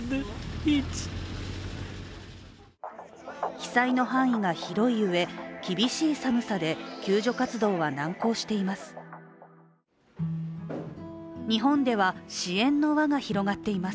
被災の範囲が広いうえ、厳しい寒さで救助活動は難航しています。